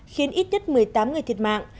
khiến ít nhất một mươi tám người thiệt mạng